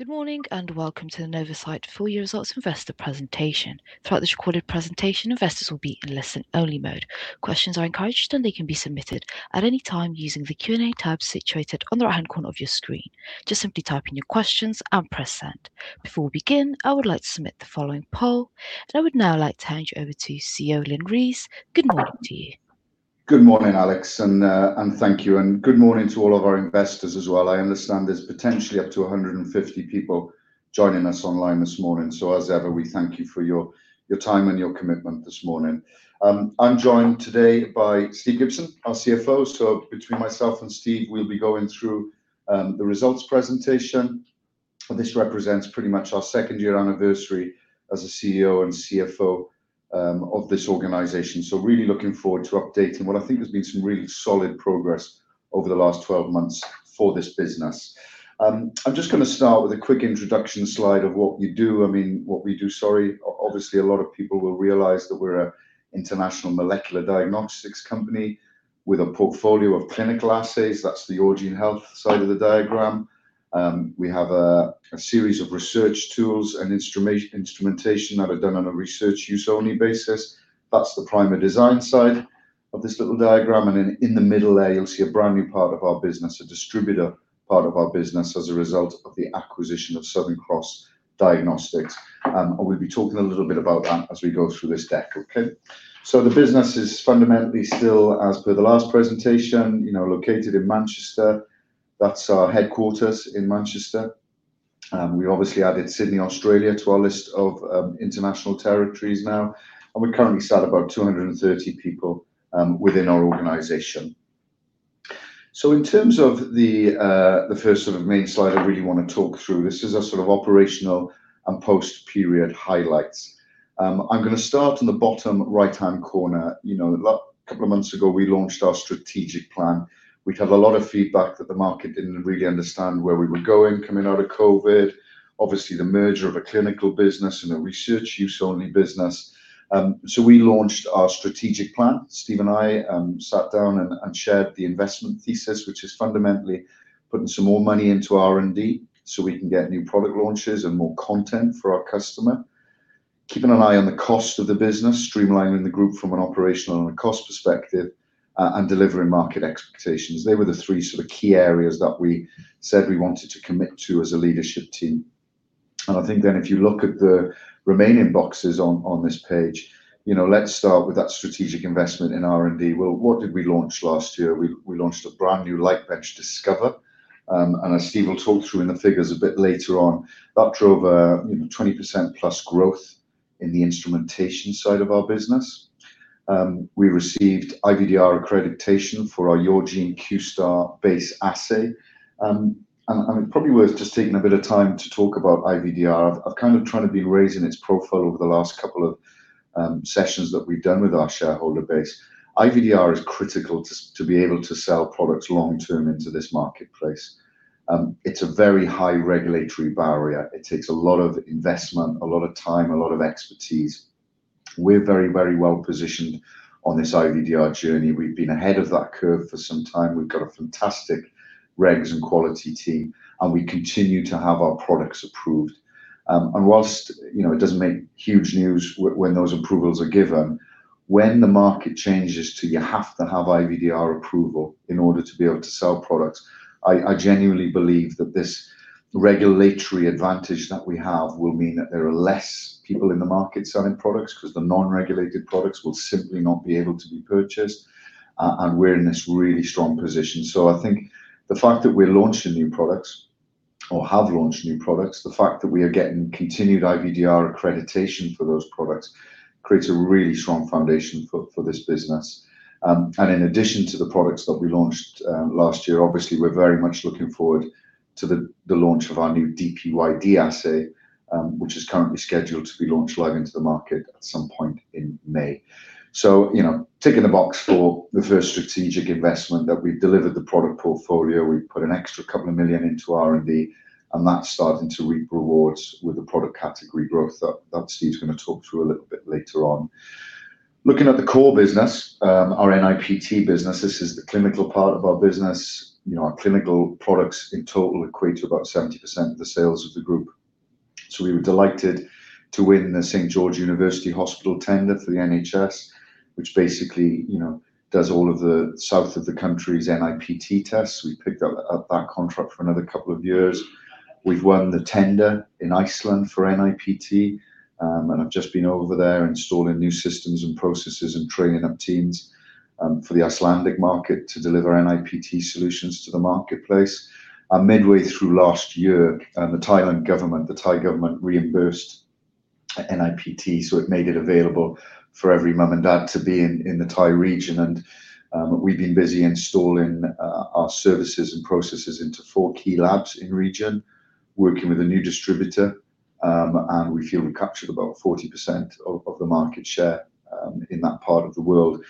Good morning, and welcome to the Novacyt full-year results investor presentation. Throughout this recorded presentation, investors will be in listen-only mode. Questions are encouraged, and they can be submitted at any time using the Q&A tab situated on the right-hand corner of your screen. Just simply type in your questions and press Send. Before we begin, I would like to submit the following poll, and I would now like to hand you over to CEO, Lyn Rees. Good morning to you. Good morning, Alex, and thank you. Good morning to all of our investors as well. I understand there's potentially up to 150 people joining us online this morning. As ever, we thank you for your time and your commitment this morning. I'm joined today by Steve Gibson, our CFO. Between myself and Steve, we'll be going through the results presentation. This represents pretty much our two year anniversary as a CEO and CFO of this organization. Really looking forward to updating what I think has been some really solid progress over the last 12 months for this business. I'm just gonna start with a quick introduction slide of what we do. I mean, what we do, sorry. Obviously, a lot of people will realize that we're an international molecular diagnostics company with a portfolio of clinical assays. That's the Yourgene Health side of the diagram. We have a series of research tools and instrumentation that are done on a research use only basis. That's the Primerdesign side of this little diagram. In the middle there, you'll see a brand-new part of our business, a distributor part of our business as a result of the acquisition of Southern Cross Diagnostics. We'll be talking a little bit about that as we go through this deck. Okay. The business is fundamentally still as per the last presentation, you know, located in Manchester. That's our headquarters in Manchester. We obviously added Sydney, Australia to our list of international territories now. We currently sat about 230 people within our organization. In terms of the first sort of main slide I really wanna talk through, this is a sort of operational and post-period highlights. I'm gonna start on the bottom right-hand corner. You know, a couple of months ago, we launched our strategic plan. We'd had a lot of feedback that the market didn't really understand where we were going coming out of COVID. Obviously, the merger of a clinical business and a research use only business. We launched our strategic plan. Steve and I sat down and shared the investment thesis, which is fundamentally putting some more money into R&D so we can get new product launches and more content for our customer. Keeping an eye on the cost of the business, streamlining the group from an operational and a cost perspective, and delivering market expectations. They were the three sort of key areas that we said we wanted to commit to as a leadership team. I think then if you look at the remaining boxes on this page, you know, let's start with that strategic investment in R&D. Well, what did we launch last year? We launched a brand-new LightBench Discover. As Steve will talk through in the figures a bit later on, that drove a, you know, 20%+ growth in the instrumentation side of our business. We received IVDR accreditation for our Yourgene QST*R base assay. I mean, probably worth just taking a bit of time to talk about IVDR. I've kind of tried to be raising its profile over the last couple of sessions that we've done with our shareholder base. IVDR is critical to be able to sell products long-term into this marketplace. It's a very high regulatory barrier. It takes a lot of investment, a lot of time, a lot of expertise. We're very, very well positioned on this IVDR journey. We've been ahead of that curve for some time. We've got a fantastic regs and quality team, and we continue to have our products approved. Whilst, you know, it doesn't make huge news when those approvals are given, when the market changes to you have to have IVDR approval in order to be able to sell products, I genuinely believe that this regulatory advantage that we have will mean that there are less people in the market selling products, 'cause the non-regulated products will simply not be able to be purchased. We're in this really strong position. I think the fact that we're launching new products or have launched new products, the fact that we are getting continued IVDR accreditation for those products creates a really strong foundation for this business. And in addition to the products that we launched last year, obviously we're very much looking forward to the launch of our new DPYD assay, which is currently scheduled to be launched live into the market at some point in May. You know, ticking the box for the first strategic investment that we've delivered the product portfolio. We've put an extra couple of million into R&D, and that's starting to reap rewards with the product category growth that Steve's gonna talk through a little bit later on. Looking at the core business, our NIPT business, this is the clinical part of our business. You know, our clinical products in total equate to about 70% of the sales of the group. We were delighted to win the St George's University Hospital tender for the NHS, which basically, you know, does all of the south of the country's NIPT tests. We picked up that contract for another two years. We've won the tender in Iceland for NIPT, and I've just been over there installing new systems and processes and training up teams for the Icelandic market to deliver NIPT solutions to the marketplace. Midway through last year, the Thailand government, the Thai government reimbursed NIPT, it made it available for every mum and dad to be in the Thai region. We've been busy installing our services and processes into 4 key labs in region, working with a new distributor. We feel we captured about 40% of the market share in that part of the world.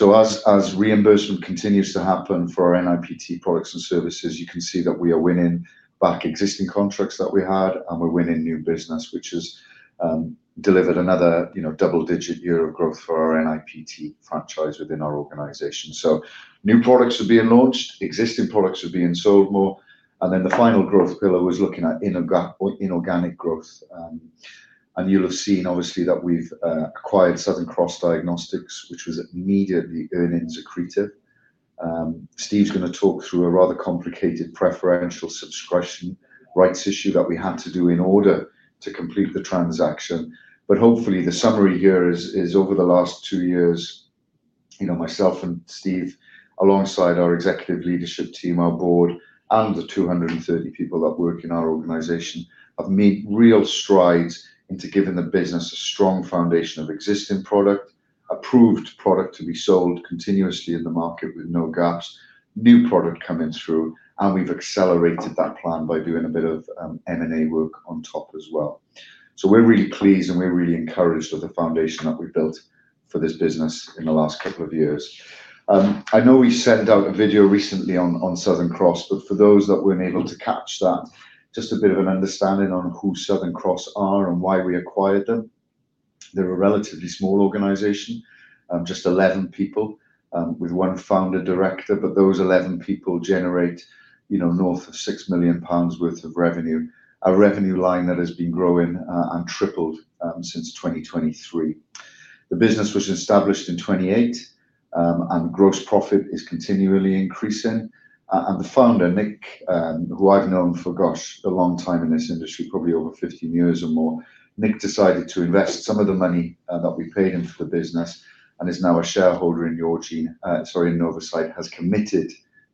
As, as reimbursement continues to happen for our NIPT products and services, you can see that we are winning back existing contracts that we had, and we're winning new business, which has delivered another, you know, double-digit year of growth for our NIPT franchise within our organization. New products are being launched, existing products are being sold more, and then the final growth pillar was looking at inorganic growth. You'll have seen obviously that we've acquired Southern Cross Diagnostics, which was immediately earnings accretive. Steve's gonna talk through a rather complicated preferential subscription rights issue that we had to do in order to complete the transaction. Hopefully the summary here is over the last two years, you know, myself and Steve, alongside our executive leadership team, our board, and the 230 people that work in our organization, have made real strides into giving the business a strong foundation of existing product, approved product to be sold continuously in the market with no gaps, new product coming through, and we've accelerated that plan by doing a bit of M&A work on top as well. We're really pleased, and we're really encouraged of the foundation that we've built for this business in the last couple of years. I know we sent out a video recently on Southern Cross, for those that weren't able to catch that, just a bit of an understanding on who Southern Cross are and why we acquired them. They're a relatively small organization, just 11 people, with one founder director, but those 11 people generate, you know, north of 6 million pounds worth of revenue, a revenue line that has been growing and tripled since 2023. The business was established in 2028, and gross profit is continually increasing. The founder, Nick, who I've known for, gosh, a long time in this industry, probably over 15 years or more, Nick decided to invest some of the money that we paid him for the business and is now a shareholder in Yourgene, sorry, in Novacyt, has committed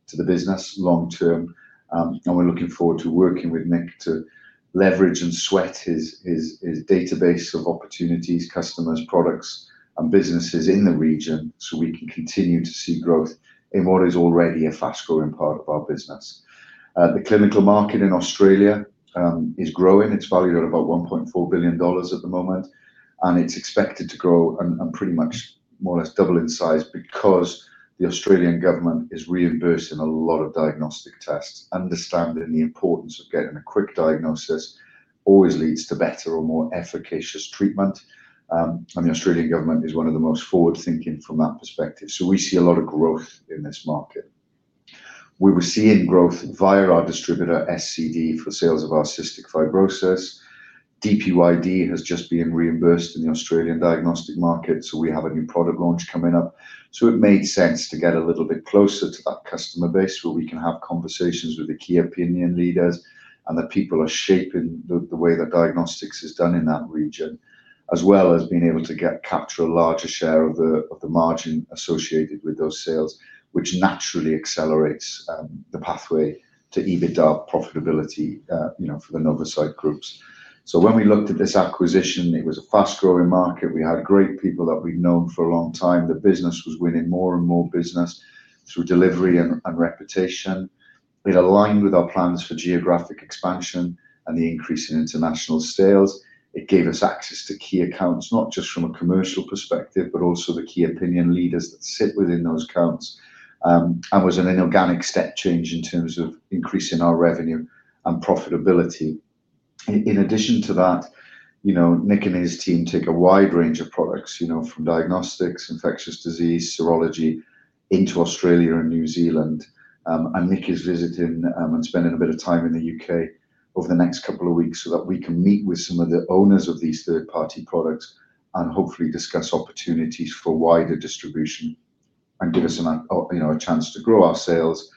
to the business long term. We're looking forward to working with Nick to leverage and sweat his database of opportunities, customers, products and businesses in the region so we can continue to see growth in what is already a fast-growing part of our business. The clinical market in Australia is growing. It's valued at about $1.4 billion at the moment, it's expected to grow and pretty much more or less double in size because the Australian Government is reimbursing a lot of diagnostic tests. Understanding the importance of getting a quick diagnosis always leads to better or more efficacious treatment. The Australian Government is one of the most forward-thinking from that perspective. We see a lot of growth in this market. We were seeing growth via our distributor SCD for sales of our Cystic Fibrosis. DPYD has just been reimbursed in the Australian diagnostic market. We have a new product launch coming up. It made sense to get a little bit closer to that customer base where we can have conversations with the key opinion leaders and the people are shaping the way that diagnostics is done in that region, as well as being able to capture a larger share of the margin associated with those sales, which naturally accelerates the pathway to EBITDA profitability, you know, for the Novacyt Group. When we looked at this acquisition, it was a fast-growing market. We had great people that we'd known for a long time. The business was winning more and more business through delivery and reputation. It aligned with our plans for geographic expansion and the increase in international sales. It gave us access to key accounts, not just from a commercial perspective, but also the key opinion leaders that sit within those accounts, and was an inorganic step change in terms of increasing our revenue and profitability. In addition to that, you know, Nick and his team take a wide range of products, you know, from diagnostics, infectious disease, serology into Australia and New Zealand. Nick is visiting and spending a bit of time in the U.K. over the next couple of weeks so that we can meet with some of the owners of these third-party products and hopefully discuss opportunities for wider distribution and give us a, you know, a chance to grow our sales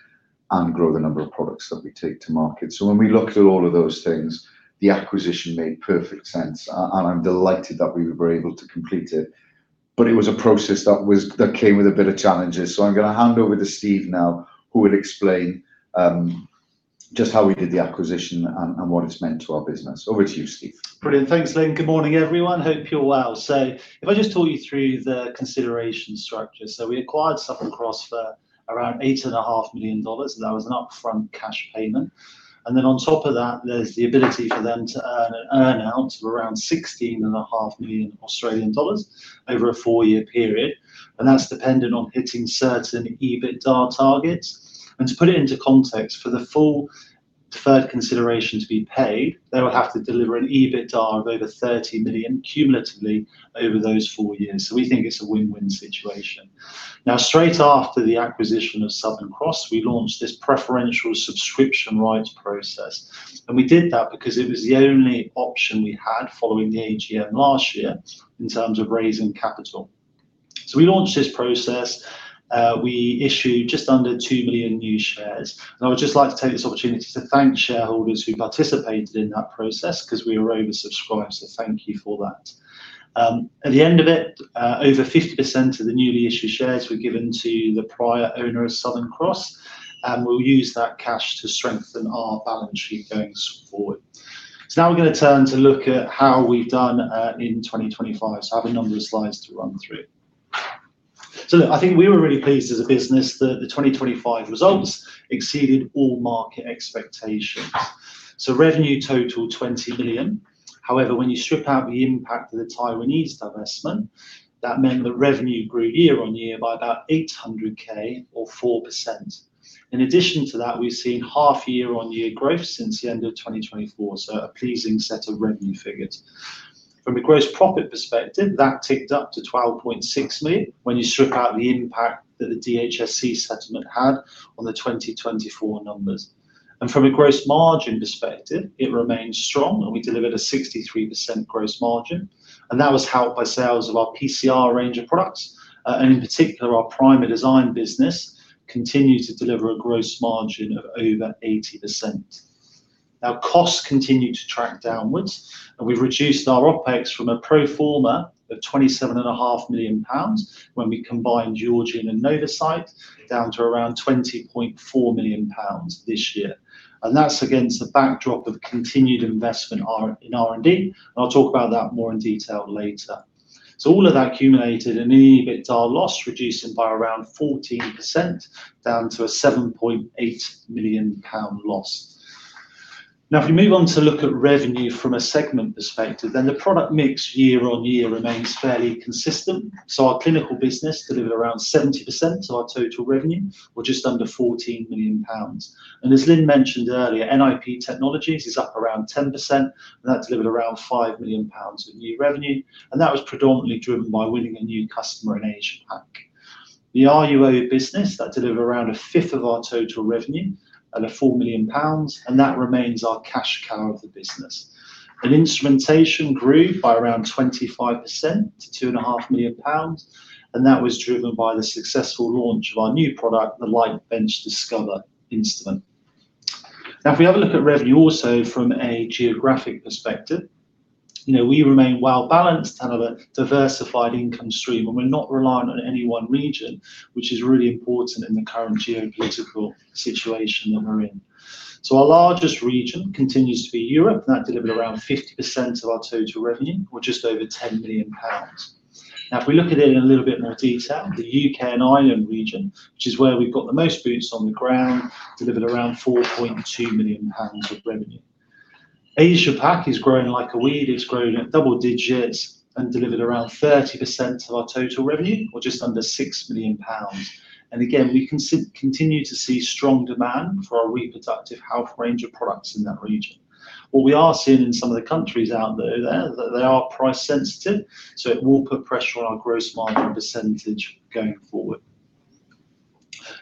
and grow the number of products that we take to market. When we looked at all of those things, the acquisition made perfect sense, and I'm delighted that we were able to complete it. It was a process that came with a bit of challenges. I'm going to hand over to Steve now, who will explain just how we did the acquisition and what it's meant to our business. Over to you, Steve. Brilliant. Thanks, Lyn. Good morning, everyone. Hope you're well. If I just talk you through the consideration structure. We acquired Southern Cross for around $8.5 million. That was an upfront cash payment. Then on top of that, there's the ability for them to earn an earn-out of around 16.5 million Australian dollars over a four-year period. That's dependent on hitting certain EBITDA targets. To put it into context, for the full deferred consideration to be paid, they will have to deliver an EBITDA of over 30 million cumulatively over those four years. We think it's a win-win situation. Now, straight after the acquisition of Southern Cross, we launched this preferential subscription rights process. We did that because it was the only option we had following the AGM last year in terms of raising capital. We launched this process. We issued just under 2 million new shares. I would just like to take this opportunity to thank shareholders who participated in that process 'cause we were oversubscribed. Thank you for that. At the end of it, over 50% of the newly issued shares were given to the prior owner of Southern Cross, and we'll use that cash to strengthen our balance sheet going forward. Now we're gonna turn to look at how we've done in 2025. I have a number of slides to run through. I think we were really pleased as a business that the 2025 results exceeded all market expectations. Revenue totaled 20 million. However, when you strip out the impact of the Taiwanese divestment, that meant that revenue grew year-on-year by about 800,000 or 4%. In addition to that, we've seen half year-on-year growth since the end of 2024, so a pleasing set of revenue figures. From a gross profit perspective, that ticked up to 12.6 million when you strip out the impact that the DHSC settlement had on the 2024 numbers. From a gross margin perspective, it remains strong, and we delivered a 63% gross margin, and that was helped by sales of our PCR range of products. In particular, our Primerdesign business continued to deliver a gross margin of over 80%. Costs continue to track downwards, and we've reduced our OpEx from a pro forma of 27.5 Million pounds when we combined Yourgene and Novacyt down to around 20.4 million pounds this year. That's against the backdrop of continued investment in R&D, and I'll talk about that more in detail later. All of that accumulated an EBITDA loss, reducing by around 14% down to a 7.8 million pound loss. If we move on to look at revenue from a segment perspective, then the product mix year-on-year remains fairly consistent. Our clinical business delivered around 70% of our total revenue or just under 14 million pounds. As Lyn mentioned earlier, NIPT technologies is up around 10%, and that delivered around 5 million pounds of new revenue, and that was predominantly driven by winning a new customer in Asia Pac. The RUO business, that delivered around a fifth of our total revenue at 4 million pounds, and that remains our cash cow of the business. Instrumentation grew by around 25% to 2.5 Million pounds, and that was driven by the successful launch of our new product, the LightBench Discover instrument. If we have a look at revenue also from a geographic perspective, you know, we remain well-balanced and have a diversified income stream, and we're not reliant on any one region, which is really important in the current geopolitical situation that we're in. Our largest region continues to be Europe, and that delivered around 50% of our total revenue or just over 10 million pounds. If we look at it in a little bit more detail, the U.K. and Ireland region, which is where we've got the most boots on the ground, delivered around 4.2 million pounds of revenue. Asia Pac is growing like a weed. It's growing at double digits and delivered around 30% of our total revenue or just under 6 million pounds. Again, we continue to see strong demand for our reproductive health range of products in that region. What we are seeing in some of the countries out there, that they are price sensitive, so it will put pressure on our gross margin percentage going forward.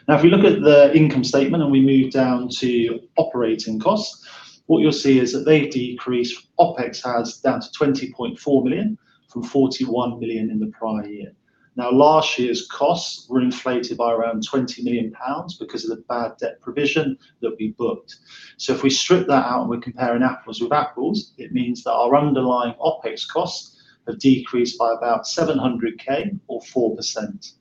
If we look at the income statement and we move down to operating costs, what you'll see is that they decrease. OpEx has down to 20.4 million from 41 million in the prior year. Last year's costs were inflated by around 20 million pounds because of the bad debt provision that we booked. If we strip that out and we're comparing apples with apples, it means that our underlying OpEx costs have decreased by about 700,000 or 4%.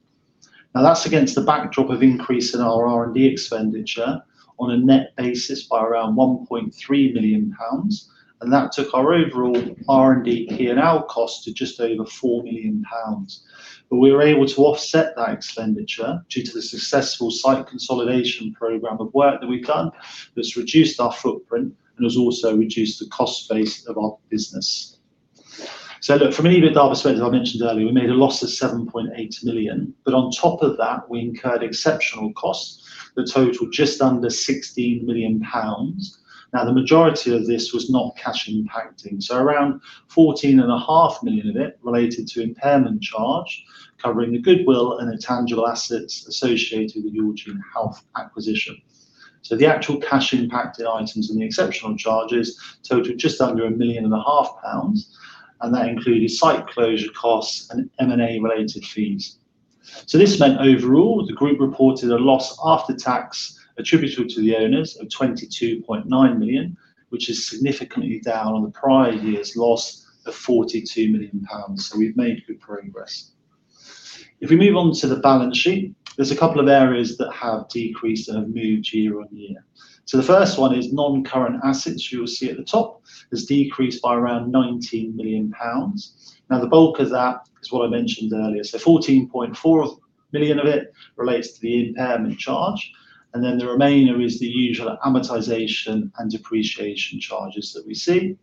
That's against the backdrop of increase in our R&D expenditure on a net basis by around 1.3 million pounds, and that took our overall R&D P&L cost to just over 4 million pounds. We were able to offset that expenditure due to the successful site consolidation program of work that we've done that's reduced our footprint and has also reduced the cost base of our business. From an EBITDA perspective, as I mentioned earlier, we made a loss of 7.8 million. On top of that, we incurred exceptional costs that totaled just under 16 million pounds. The majority of this was not cash impacting. Around 14.5 Million of it related to impairment charge, covering the goodwill and the tangible assets associated with Yourgene Health acquisition. The actual cash impacted items and the exceptional charges totaled just under 1.5 million, and that included site closure costs and M&A related fees. This meant overall, the group reported a loss after tax attributable to the owners of 22.9 million, which is significantly down on the prior year's loss of 42 million pounds. We've made good progress. If we move on to the balance sheet, there's a couple of areas that have decreased and have moved year-on-year. The first one is non-current assets you'll see at the top, has decreased by around 19 million pounds. Now, the bulk of that is what I mentioned earlier. 14.4 million of it relates to the impairment charge, and then the remainder is the usual amortization and depreciation charges that we see.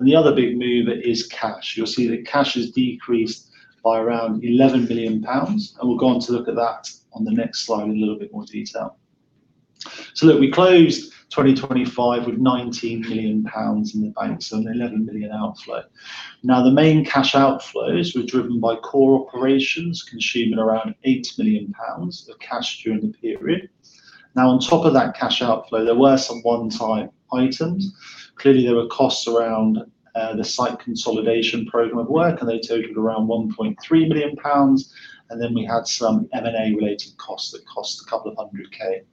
The other big mover is cash. You'll see that cash has decreased by around 11 million pounds. We'll go on to look at that on the next slide in a little bit more detail. Look, we closed 2025 with 19 million pounds in the bank, a 11 million outflow. Now, the main cash outflows were driven by core operations, consuming around 8 million pounds of cash during the period. Now, on top of that cash outflow, there were some one-time items. Clearly, there were costs around the site consolidation program of work. They totaled around 1.3 million pounds. Then we had some M&A related costs that cost 200,000.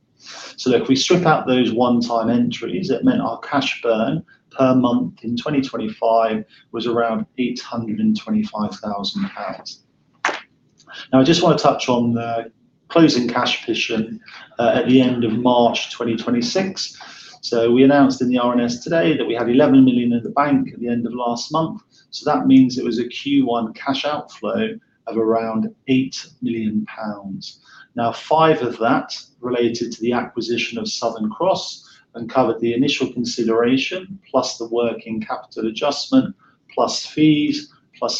Look, if we strip out those one-time entries, it meant our cash burn per month in 2025 was around 825,000 pounds. I just wanna touch on the closing cash position at the end of March 2026. We announced in the RNA today that we have 11 million in the bank at the end of last month. That means it was a Q1 cash outflow of around 8 million pounds. 5 million of that related to the acquisition of Southern Cross and covered the initial consideration, plus the working capital adjustment, plus fees.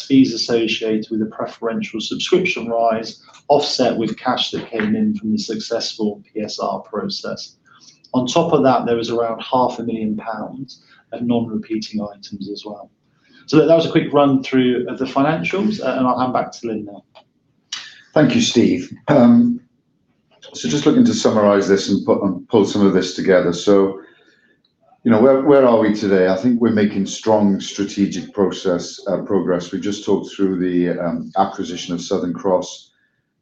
Fees associated with the preferential subscription rights offset with cash that came in from the successful PSR process. On top of that, there was around 500,000 pounds of non-repeating items as well. That was a quick run through of the financials, and I'll hand back to Lyn now. Thank you, Steve. Just looking to summarize this and pull some of this together. You know, where are we today? I think we're making strong strategic progress. We just talked through the acquisition of Southern Cross,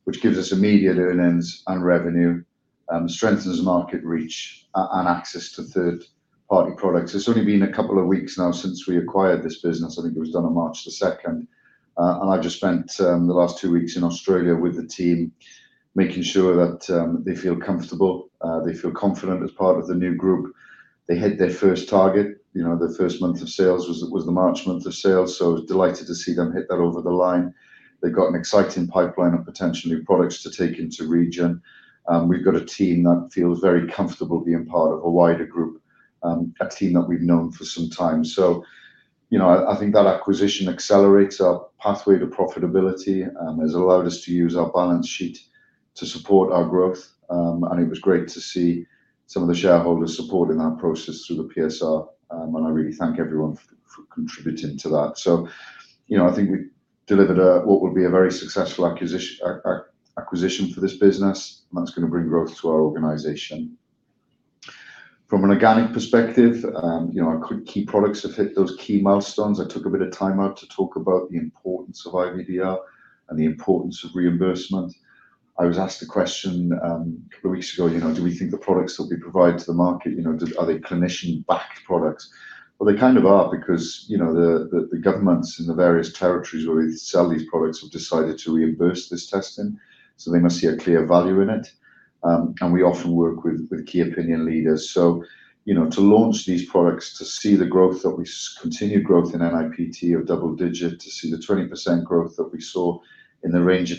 which gives us immediate earnings and revenue, strengthens market reach and access to third-party products. It's only been a couple of weeks now since we acquired this business. I think it was done on March the 2nd. I've just spent the last two weeks in Australia with the team, making sure that they feel comfortable, they feel confident as part of the new group. They hit their first target. You know, their first month of sales was the March month of sales, I was delighted to see them hit that over the line. They've got an exciting pipeline of potential new products to take into region. We've got a team that feels very comfortable being part of a wider group, a team that we've known for some time. You know, I think that acquisition accelerates our pathway to profitability, has allowed us to use our balance sheet to support our growth. It was great to see some of the shareholders supporting that process through the PSR. I really thank everyone for contributing to that. You know, I think we delivered a, what would be a very successful acquisition for this business, and that's gonna bring growth to our organization. From an organic perspective, you know, our key products have hit those key milestones. I took a bit of time out to talk about the importance of IVDR and the importance of reimbursement. I was asked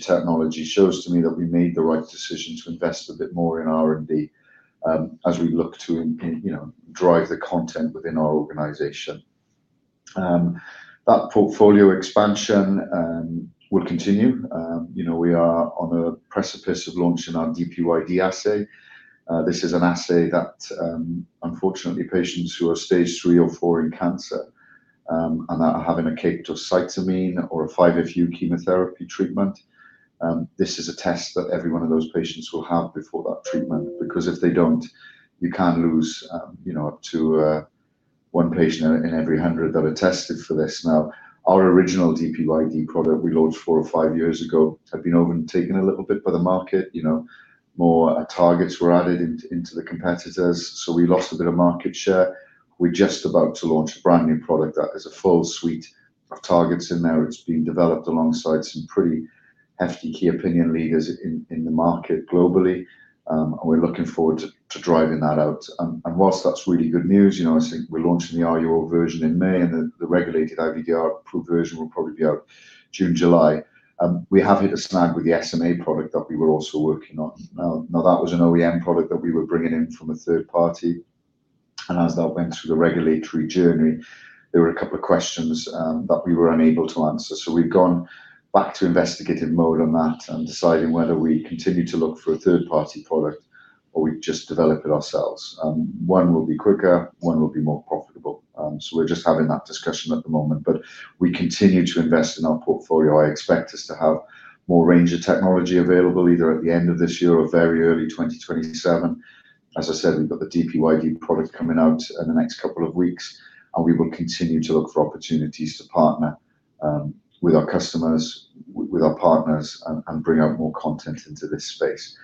We're just about to launch a brand-new product that has a full suite of targets in there. It's being developed alongside some pretty hefty key opinion leaders in the market globally. We're looking forward to driving that out. Whilst that's really good news, you know, I think we're launching the AUR version in May, and the regulated IVDR approved version will probably be out June, July. We have hit a snag with the SMA product that we were also working on. That was an OEM product that we were bringing in from a third party, and as that went through the regulatory journey, there were a couple of questions that we were unable to answer. We've gone back to investigative mode on that and deciding whether we continue to look for a third-party product or we just develop it ourselves. One will be quicker, one will be more profitable. We're just having that discussion at the moment, but we continue to invest in our portfolio. I expect us to have more range of technology available either at the end of this year or very early 2027. As I said, we've got the DPYD product coming out in the next couple of weeks. We will continue to look for opportunities to partner with our customers, with our partners and bring out more content into this space.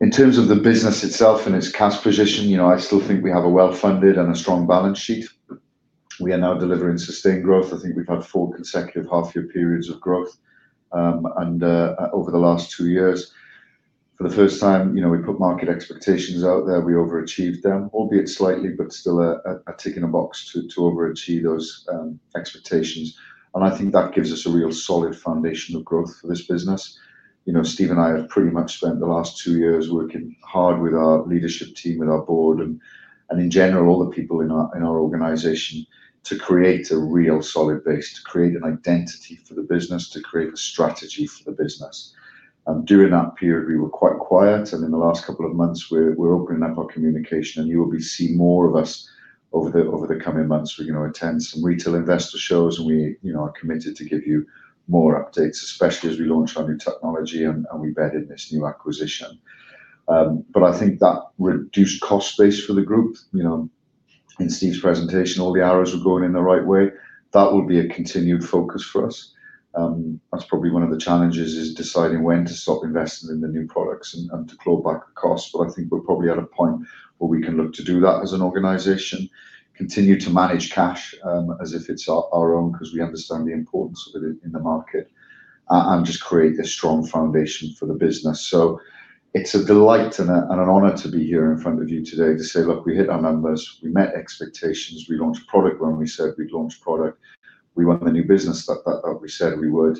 In terms of the business itself and its cash position, you know, I still think we have a well-funded and a strong balance sheet. We are now delivering sustained growth. I think we've had four consecutive half-year periods of growth over the last two years. For the first time, you know, we put market expectations out there. We overachieved them, albeit slightly, still a tick in a box to overachieve those expectations. I think that gives us a real solid foundation of growth for this business. You know, Steve and I have pretty much spent the last two years working hard with our leadership team, with our board and in general, all the people in our organization to create a real solid base, to create an identity for the business, to create a strategy for the business. During that period, we were quiet, and in the last couple of months, we're opening up our communication, and you will be seeing more of us over the coming months. We're gonna attend some retail investor shows, and we, you know, are committed to give you more updates, especially as we launch our new technology and we bed in this new acquisition. I think that reduced cost base for the group, you know, in Steve's presentation, all the arrows were going in the right way. That will be a continued focus for us. That's probably one of the challenges is deciding when to stop investing in the new products and to claw back the cost. I think we're probably at a point where we can look to do that as an organization, continue to manage cash, as if it's our own because we understand the importance of it in the market, and just create a strong foundation for the business. It's a delight and an honor to be here in front of you today to say, "Look, we hit our numbers. We met expectations. We launched product when we said we'd launch product. We won the new business that we said we would.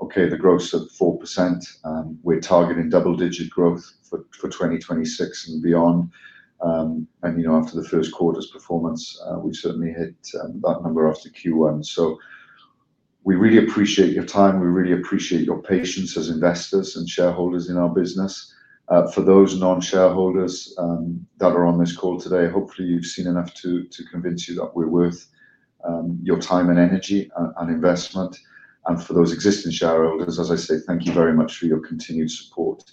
The growth's at 4%, and we're targeting double-digit growth for 2026 and beyond. You know, after the 1st quarter's performance, we certainly hit that number after Q1. We really appreciate your time, we really appreciate your patience as investors and shareholders in our business. For those non-shareholders that are on this call today, hopefully you've seen enough to convince you that we're worth your time and energy and investment. For those existing shareholders, as I say, thank you very much for your continued support.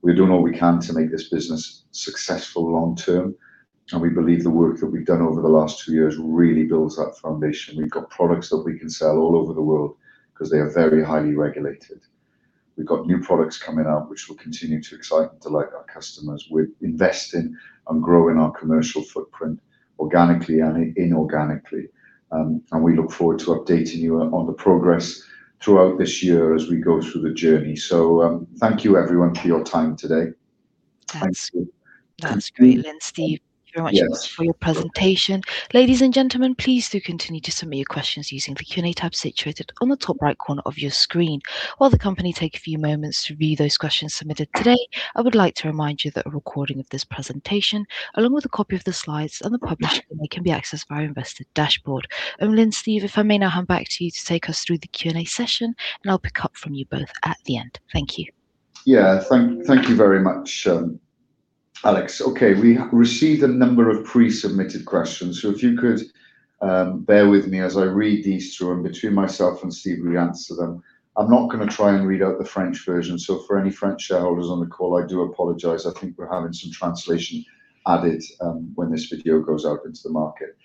We're doing all we can to make this business successful long term, and we believe the work that we've done over the last two years really builds that foundation. We've got products that we can sell all over the world 'cause they are very highly regulated. We've got new products coming out which will continue to excite and delight our customers. We're investing and growing our commercial footprint organically and inorganically. We look forward to updating you on the progress throughout this year as we go through the journey. Thank you everyone for your time today. Thank you. That's great, Lyn, Steve. Yes for your presentation. Ladies and gentlemen, please do continue to submit your questions using the Q&A tab situated on the top right corner of your screen. While the company takes a few moments to review those questions submitted today, I would like to remind you that a recording of this presentation, along with a copy of the slides and the published can be accessed by our investor dashboard. Lyn, Steve, if I may now hand back to you to take us through the Q&A session, and I'll pick up from you both at the end. Thank you. Thank you very much, Alex. Okay, we received a number of pre-submitted questions. If you could bear with me as I read these through and between myself and Steve, we answer them. I'm not gonna try and read out the French version. For any French shareholders on the call, I do apologize. I think we're having some translation added when this video goes out into the market.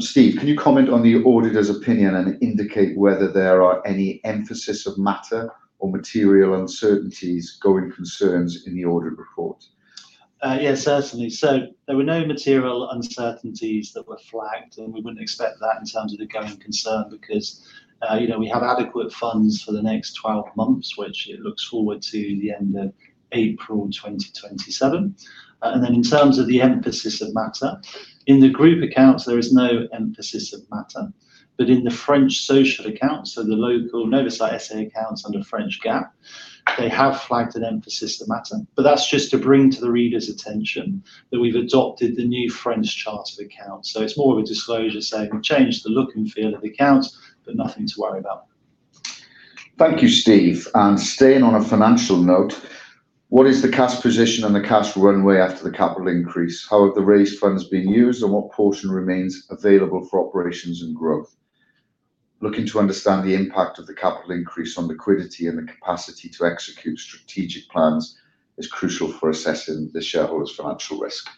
Steve, can you comment on the auditor's opinion and indicate whether there are any emphasis of matter or material uncertainties going concerns in the audit report? Yeah, certainly. There were no material uncertainties that were flagged, and we wouldn't expect that in terms of the going concern because we have adequate funds for the next 12 months, which it looks forward to the end of April 2027. And then in terms of the emphasis of matter, in the group accounts, there is no emphasis of matter. In the French social accounts, so the local Novacyt SA accounts under French GAAP, they have flagged an emphasis of matter. That's just to bring to the reader's attention that we've adopted the new French chart of accounts. It's more of a disclosure saying we've changed the look and feel of the accounts, but nothing to worry about. Thank you, Steve. Staying on a financial note, what is the cash position and the cash runway after the capital increase? How have the raised funds been used, and what portion remains available for operations and growth? Looking to understand the impact of the capital increase on liquidity and the capacity to execute strategic plans is crucial for assessing the shareholders' financial risk.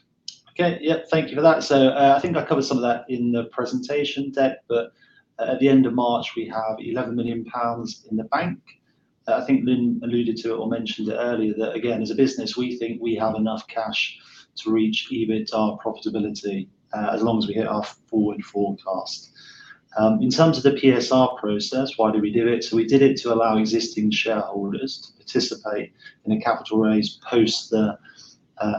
Okay. Yeah, thank you for that. I think I covered some of that in the presentation deck, but at the end of March, we have 11 million pounds in the bank. I think Lyn alluded to it or mentioned it earlier that again, as a business, we think we have enough cash to reach EBITDA profitability, as long as we hit our forward forecast. In terms of the PSR process, why do we do it? We did it to allow existing shareholders to participate in a capital raise post the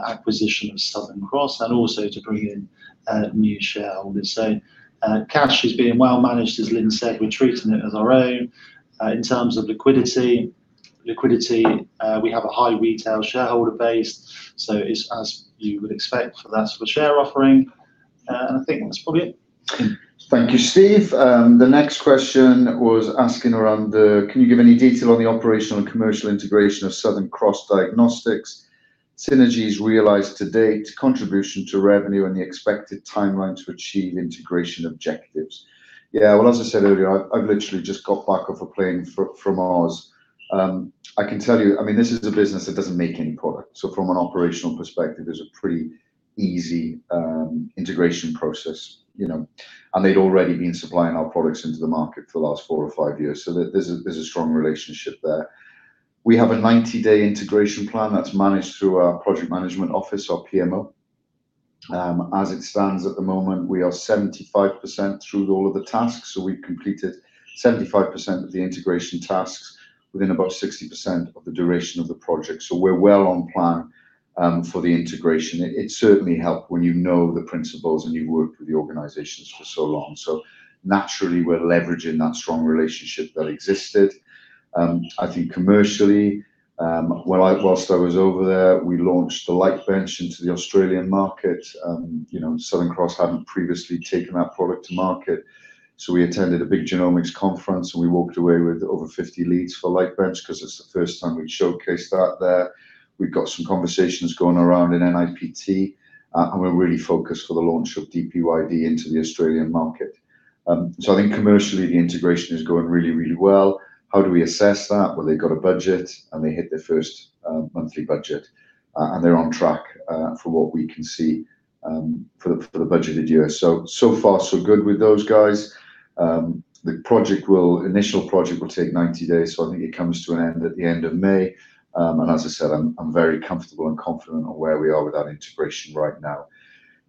acquisition of Southern Cross and also to bring in new shareholders. Cash is being well managed, as Lyn said. We're treating it as our own. In terms of liquidity, we have a high retail shareholder base, so it's as you would expect for that sort of share offering. I think that's probably it. Thank you, Steve. The next question was asking around the, can you give any detail on the operational and commercial integration of Southern Cross Diagnostics, synergies realized to date, contribution to revenue and the expected timeline to achieve integration objectives? Yeah. Well, as I said earlier, I've literally just got back off a plane from Oz. I can tell you, I mean, this is a business that doesn't make any product. From an operational perspective, it was a pretty easy integration process, you know. They'd already been supplying our products into the market for the last four or five years. There, there's a strong relationship there. We have a 90-day integration plan that's managed through our project management office or PMO. As it stands at the moment, we are 75% through all of the tasks. We've completed 75% of the integration tasks within about 60% of the duration of the project. We're well on plan for the integration. It certainly help when you know the principals and you've worked with the organizations for so long. Naturally, we're leveraging that strong relationship that existed. I think commercially, whilst I was over there, we launched the LightBench into the Australian market. You know, Southern Cross hadn't previously taken that product to market. We attended a big genomics conference, and we walked away with over 50 leads for LightBench 'cause it's the first time we've showcased that there. We've got some conversations going around in NIPT, and we're really focused for the launch of DPYD into the Australian market. I think commercially, the integration is going really, really well. How do we assess that? Well, they've got a budget, they hit their first monthly budget, and they're on track for what we can see for the budgeted year. So far, so good with those guys. The initial project will take 90 days, so I think it comes to an end at the end of May. As I said, I'm very comfortable and confident on where we are with that integration right now.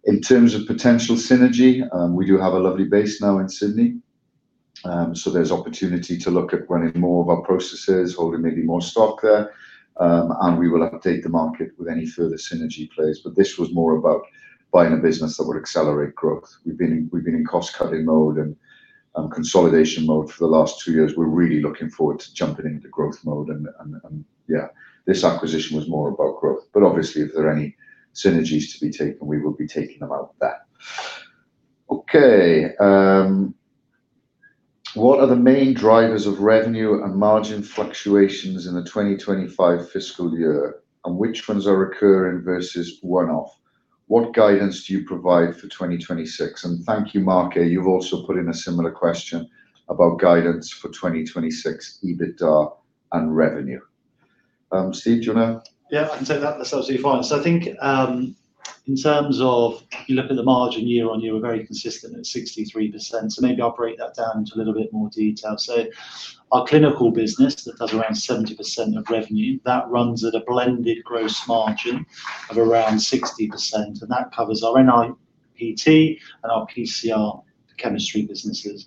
In terms of potential synergy, we do have a lovely base now in Sydney, there's opportunity to look at running more of our processes, holding maybe more stock there. We will update the market with any further synergy plays. This was more about buying a business that would accelerate growth. We've been in cost-cutting mode and consolidation mode for the last two years. We're really looking forward to jumping into growth mode, and this acquisition was more about growth. Obviously, if there are any synergies to be taken, we will be taking them out there. Okay. What are the main drivers of revenue and margin fluctuations in the 2025 fiscal year, and which ones are recurring versus one-off? What guidance do you provide for 2026? Thank you, [Marke], you've also put in a similar question about guidance for 2026 EBITDA and revenue. Steve, do you wanna Yeah, I can take that. That's absolutely fine. I think, in terms of you look at the margin year-on-year, we're very consistent at 63%. Maybe I'll break that down into a little bit more detail. Our clinical business that does around 70% of revenue, that runs at a blended gross margin of around 60%, and that covers our NIPT and our PCR chemistry businesses.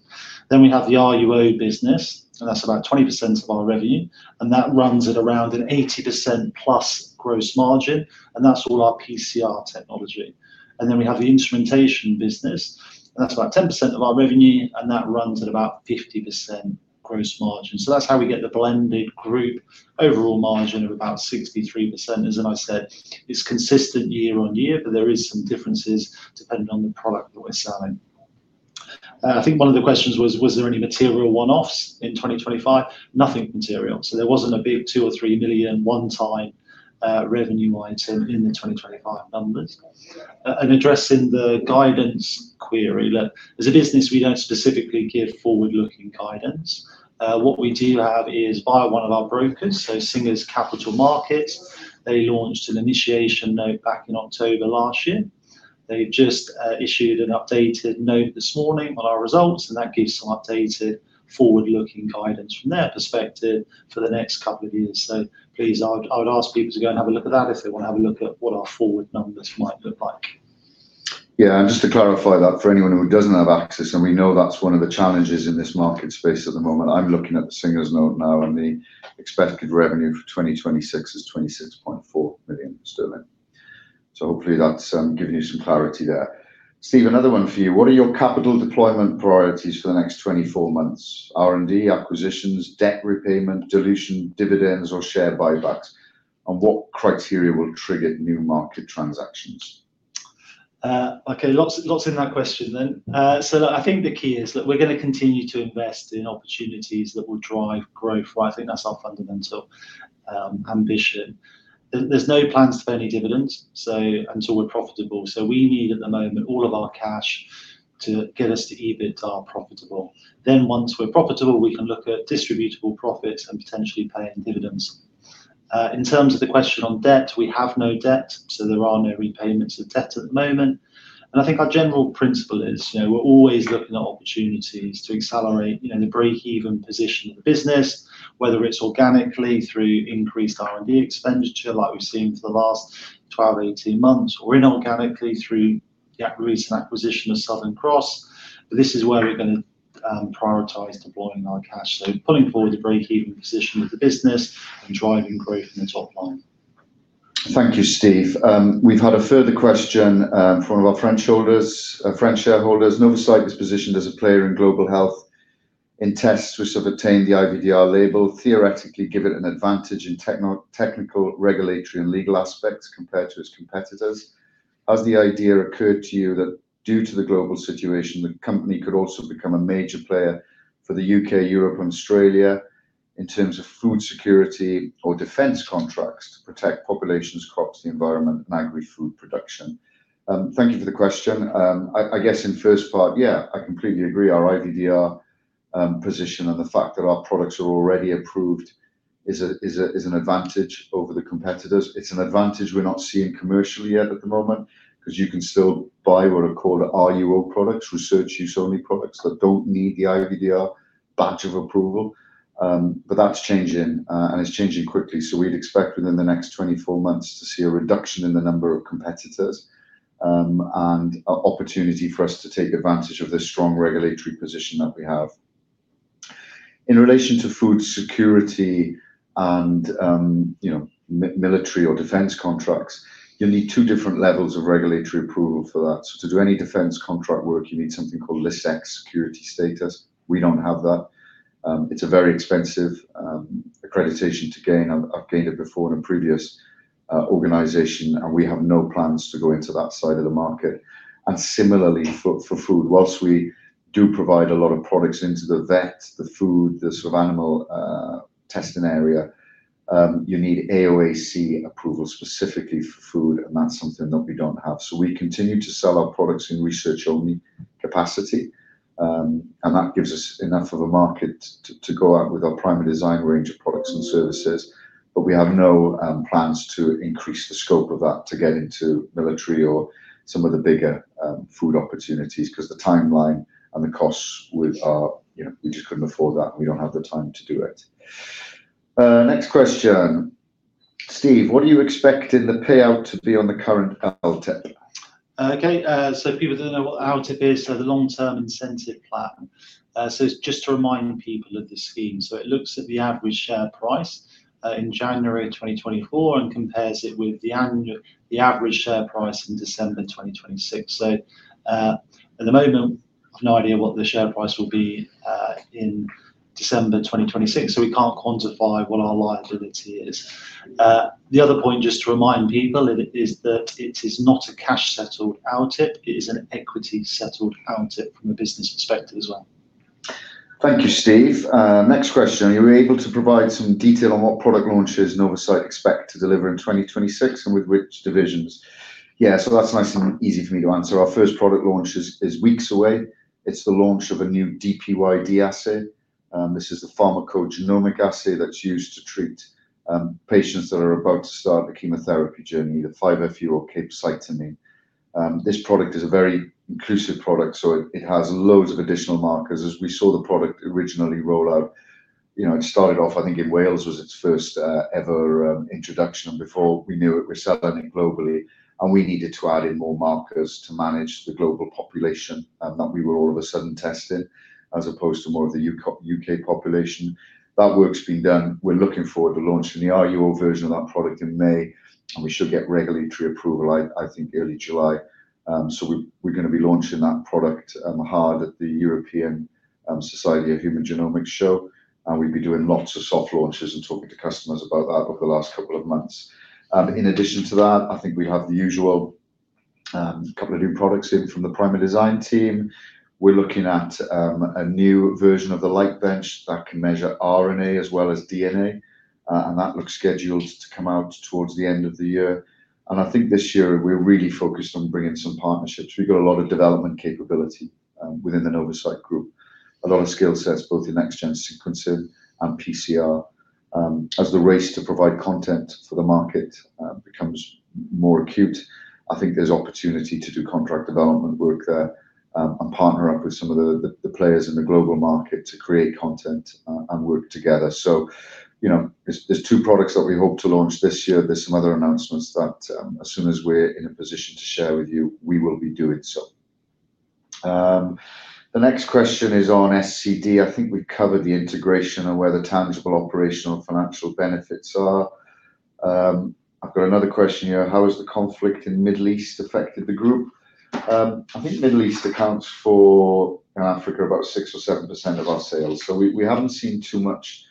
We have the RUO business, and that's about 20% of our revenue, and that runs at around an 80% plus gross margin, and that's all our PCR technology. We have the instrumentation business, and that's about 10% of our revenue, and that runs at about 50% gross margin. That's how we get the blended group overall margin of about 63%. As I said, it's consistent year-on-year, but there is some differences depending on the product that we're selling. I think one of the questions was there any material one-offs in 2025? Nothing material. There wasn't a big 2 million or 3 million one-time revenue item in the 2025 numbers. Addressing the guidance query. Look, as a business, we don't specifically give forward-looking guidance. What we do have is via one of our brokers, so Singer Capital Markets, they launched an initiation note back in October last year. They just issued an updated note this morning on our results, that gives some updated forward-looking guidance from their perspective for the next couple of years. Please, I would ask people to go and have a look at that if they wanna have a look at what our forward numbers might look like. Yeah. Just to clarify that for anyone who doesn't have access, and we know that's one of the challenges in this market space at the moment. I'm looking at the Singers note now, and the expected revenue for 2026 is 26.4 million sterling. Hopefully that's giving you some clarity there. Steve, another one for you. What are your capital deployment priorities for the next 24 months? R&D, acquisitions, debt repayment, dilution, dividends, or share buybacks? What criteria will trigger new market transactions? Okay, lots in that question then. Look, I think the key is that we're gonna continue to invest in opportunities that will drive growth, right? I think that's our fundamental ambition. There's no plans to pay any dividends until we're profitable. We need, at the moment, all of our cash to get us to EBITDA profitable. Once we're profitable, we can look at distributable profits and potentially paying dividends. In terms of the question on debt, we have no debt, there are no repayments of debt at the moment. I think our general principle is, you know, we're always looking at opportunities to accelerate, you know, the break-even position of the business, whether it's organically through increased R&D expenditure like we've seen for the last 12, 18 months, or inorganically through the recent acquisition of Southern Cross. This is where we're gonna prioritize deploying our cash. Pulling forward the break-even position of the business and driving growth in the top line. Thank you, Steve. We've had a further question from one of our French shareholders. Novacyt is positioned as a player in global health in tests which have obtained the IVDR label, theoretically give it an advantage in technical, regulatory, and legal aspects compared to its competitors. Has the idea occurred to you that due to the global situation, the company could also become a major player for the U.K., Europe, and Australia in terms of food security or defense contracts to protect populations across the environment and agri-food production? Thank you for the question. I guess in first part, yeah, I completely agree. Our IVDR position and the fact that our products are already approved is an advantage over the competitors. It's an advantage we're not seeing commercially yet at the moment, because you can still buy what are called RUO products, research use only products, that don't need the IVDR badge of approval. That's changing and it's changing quickly. We'd expect within the next 24 months to see a reduction in the number of competitors and opportunity for us to take advantage of the strong regulatory position that we have. In relation to food security and, you know, military or defense contracts, you'll need two different levels of regulatory approval for that. To do any defense contract work, you need something called List X security status. We don't have that. It's a very expensive accreditation to gain. I've gained it before in a previous organization, and we have no plans to go into that side of the market. Similarly for food, whilst we do provide a lot of products into the vet, the food, the sort of animal testing area, you need AOAC approval specifically for food, and that's something that we don't have. We continue to sell our products in research-only capacity, and that gives us enough of a market to go out with our Primerdesign range of products and services. We have no plans to increase the scope of that to get into military or some of the bigger food opportunities because the timeline and the costs would, you know, we just couldn't afford that, and we don't have the time to do it. Next question. Steve, what do you expect in the payout to be on the current LTIP? Okay. For people that don't know what LTIP is, the long-term incentive plan. It's just to remind people of the scheme. It looks at the average share price in January of 2024 and compares it with the average share price in December 2026. At the moment, I've no idea what the share price will be in December 2026. We can't quantify what our liability is. The other point just to remind people is that it is not a cash settled LTIP, it is an equity settled LTIP from a business perspective as well. Thank you, Steve. Next question. "Are you able to provide some detail on what product launches Novacyt expect to deliver in 2026, and with which divisions?" That's nice and easy for me to answer. Our first product launch is weeks away. It's the launch of a new DPYD assay. This is the pharmacogenomic assay that's used to treat patients that are about to start a chemotherapy journey, the 5-FU capecitabine. This product is a very inclusive product, so it has loads of additional markers. As we saw the product originally roll out, you know, it started off, I think in Wales was its first ever introduction. Before we knew it, we're selling it globally and we needed to add in more markers to manage the global population that we were all of a sudden testing as opposed to more of the U.K. population. That work's been done. We're looking forward to launching the RUO version of that product in May. We should get regulatory approval, I think early July. We're gonna be launching that product hard at the European Society of Human Genetics show. We've been doing lots of soft launches and talking to customers about that over the last couple of months. In addition to that, I think we have the usual couple of new products in from the Primerdesign team. We're looking at a new version of the LightBench that can measure RNA as well as DNA. That looks scheduled to come out towards the end of the year. I think this year we're really focused on bringing some partnerships. We've got a lot of development capability within the Novacyt Group. A lot of skill sets both in Next-Generation Sequencing and PCR. As the race to provide content for the market becomes more acute, I think there's opportunity to do contract development work there and partner up with some of the, the players in the global market to create content and work together. You know, there's two products that we hope to launch this year. There's some other announcements that, as soon as we're in a position to share with you, we will be doing so. The next question is on SCD. I think we've covered the integration and where the tangible operational financial benefits are. I've got another question here. "How has the conflict in Middle East affected the group?" I think Middle East accounts for, and Africa, about 6% or 7% of our sales. We haven't seen too much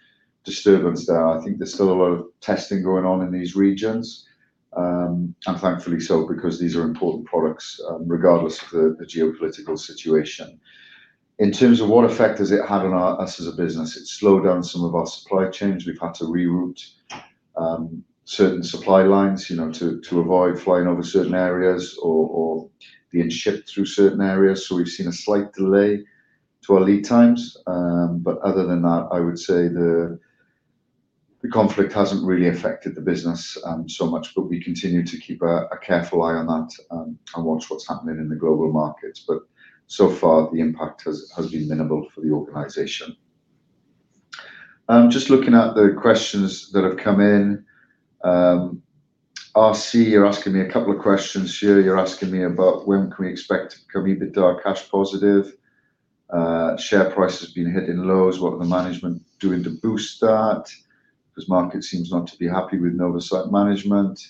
disturbance there. I think there's still a lot of testing going on in these regions. And thankfully so because these are important products, regardless of the geopolitical situation. In terms of what effect has it had on us as a business, it's slowed down some of our supply chains. We've had to reroute, you know, certain supply lines to avoid flying over certain areas or being shipped through certain areas. We've seen a slight delay to our lead times. Other than that, I would say the conflict hasn't really affected the business so much, but we continue to keep a careful eye on that and watch what's happening in the global markets. So far the impact has been minimal for the organization. Just looking at the questions that have come in. RC, you're asking me a couple of questions here. You're asking me about when can we be cash positive? Share price has been hitting lows. What are the management doing to boost that? Because market seems not to be happy with Novacyt management.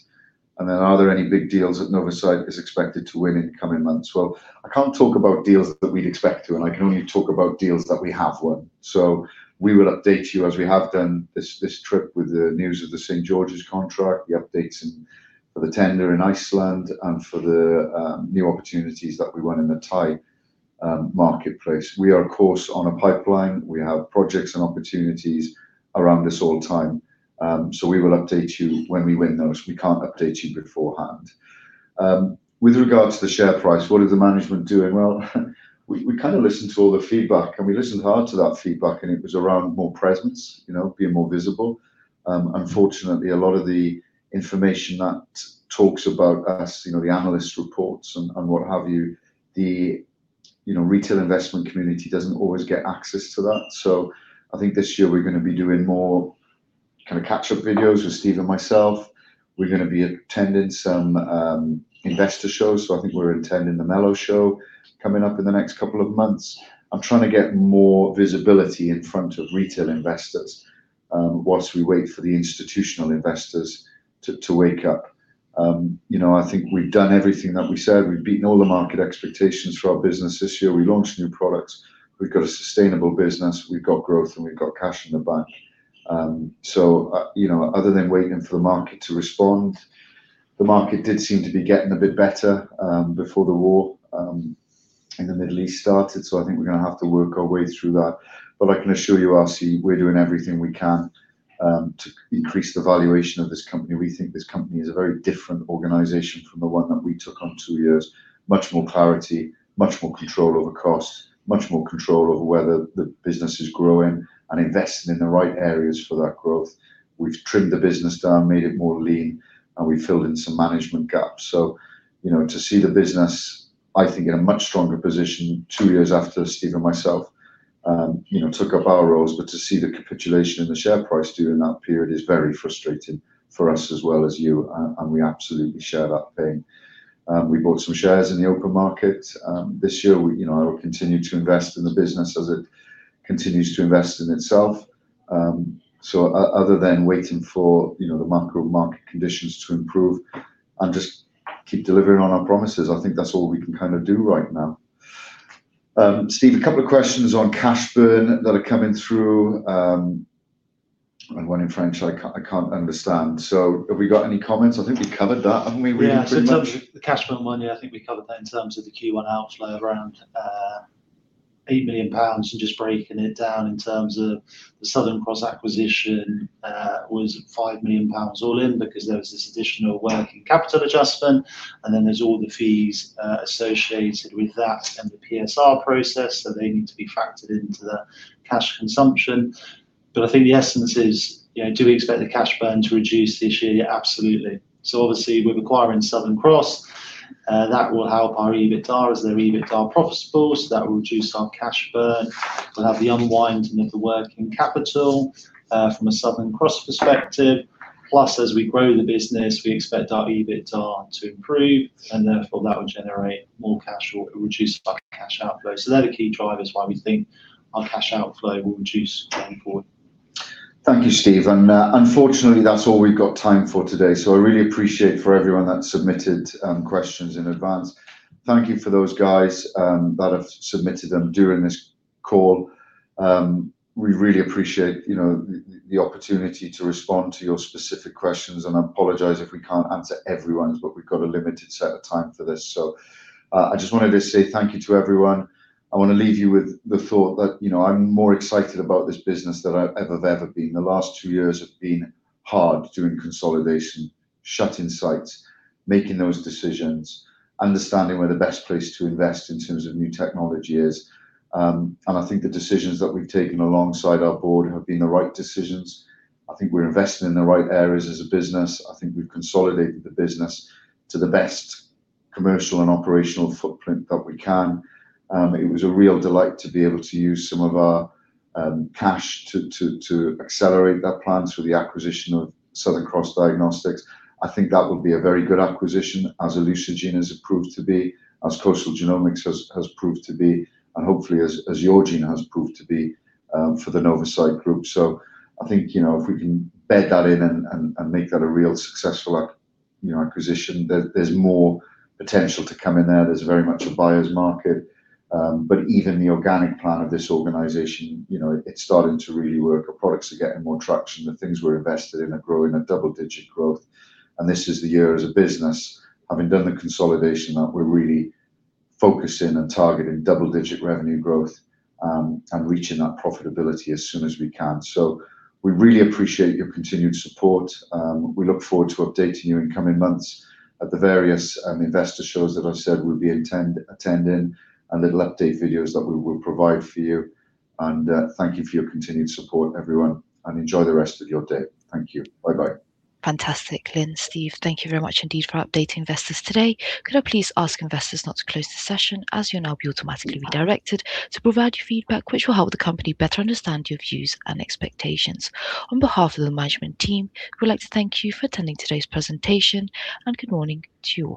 Are there any big deals that Novacyt is expected to win in coming months? I can't talk about deals that we'd expect to win. I can only talk about deals that we have won. We will update you as we have done this trip with the news of the St George's contract, the updates in, for the tender in Iceland and for the new opportunities that we won in the Thai marketplace. We are of course on a pipeline. We have projects and opportunities around us all the time. We will update you when we win those. We can't update you beforehand. With regards to the share price, what is the management doing? We kind of listened to all the feedback and we listened hard to that feedback and it was around more presence, you know, being more visible. Unfortunately a lot of the information that talks about us, you know, the analyst reports and what have you, the retail investment community doesn't always get access to that. I think this year we're gonna be doing more kinda catch up videos with Steve and myself. We're gonna be attending some investor shows. I think we're attending the Mello show coming up in the next couple of months. I'm trying to get more visibility in front of retail investors whilst we wait for the institutional investors to wake up. You know, I think we've done everything that we said. We've beaten all the market expectations for our business this year. We launched new products. We've got a sustainable business, we've got growth, and we've got cash in the bank. Other than waiting for the market to respond, the market did seem to be getting a bit better, before the war in the Middle East started. I think we're gonna have to work our way through that. I can assure you, RC, we're doing everything we can to increase the valuation of this company. We think this company is a very different organization from the one that we took on two years. Much more clarity, much more control over cost, much more control over where the business is growing and investing in the right areas for that growth. We've trimmed the business down, made it more lean, and we filled in some management gaps. You know, to see the business, I think in a much stronger position two years after Steve and myself, you know, took up our roles. To see the capitulation in the share price during that period is very frustrating for us as well as you. We absolutely share that pain. We bought some shares in the open market this year. We, you know, I will continue to invest in the business as it continues to invest in itself. Other than waiting for, you know, the macro market conditions to improve and just keep delivering on our promises, I think that's all we can kind of do right now. Steve, a couple of questions on cash burn that are coming through. One in French I can't understand. Have we got any comments? I think we covered that, haven't we really pretty much? Yeah. In terms of the cash burn money, I think we covered that in terms of the Q1 outflow around 8 million pounds, and just breaking it down in terms of the Southern Cross acquisition was 5 million pounds all in because there was this additional working capital adjustment, and then there's all the fees associated with that and the PSR process, so they need to be factored into the cash consumption. I think the essence is, you know, do we expect the cash burn to reduce this year? Absolutely. Obviously with acquiring Southern Cross, that will help our EBITDA as they're EBITDA profitable, so that will reduce our cash burn. We'll have the unwinding of the working capital from a Southern Cross perspective. As we grow the business, we expect our EBITDA to improve, and therefore that will generate more cash or reduce our cash outflow. They're the key drivers why we think our cash outflow will reduce going forward. Thank you, Steve. Unfortunately, that's all we've got time for today, so I really appreciate for everyone that submitted questions in advance. Thank you for those guys that have submitted them during this call. We really appreciate, you know, the opportunity to respond to your specific questions, and I apologize if we can't answer everyone's, but we've got a limited set of time for this. I just wanted to say thank you to everyone. I wanna leave you with the thought that, you know, I'm more excited about this business than I've ever been. The last two years have been hard doing consolidation, shutting sites, making those decisions, understanding where the best place to invest in terms of new technology is. I think the decisions that we've taken alongside our board have been the right decisions. I think we're investing in the right areas as a business. I think we've consolidated the business to the best commercial and operational footprint that we can. It was a real delight to be able to use some of our cash to accelerate that plan through the acquisition of Southern Cross Diagnostics. I think that will be a very good acquisition, as Elucigene has proved to be, as Coastal Genomics has proved to be, and hopefully as Yourgene has proved to be for the Novacyt Group. I think, you know, if we can bed that in and make that a real successful acquisition, there's more potential to come in there. There's very much a buyer's market. But even the organic plan of this organization, you know, it's starting to really work. Our products are getting more traction. The things we're invested in are growing at double-digit growth. This is the year as a business, having done the consolidation, that we're really focusing and targeting double-digit revenue growth, and reaching that profitability as soon as we can. We really appreciate your continued support. We look forward to updating you in coming months at the various investor shows that I've said we'll be attending and little update videos that we will provide for you. Thank you for your continued support, everyone, and enjoy the rest of your day. Thank you. Bye-bye. Fantastic. Lyn, Steve, thank you very much indeed for updating investors today. Could I please ask investors not to close the session as you'll now be automatically redirected to provide your feedback, which will help the company better understand your views and expectations. On behalf of the management team, we'd like to thank you for attending today's presentation, and good morning to you all.